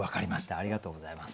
ありがとうございます。